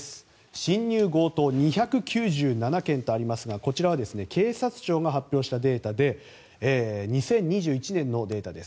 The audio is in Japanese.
侵入強盗２９７件とありますがこちらは警察庁が発表したデータで２０２１年のデータです。